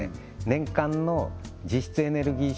年間の実質エネルギー